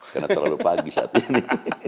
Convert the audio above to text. karena terlalu pagi saat ini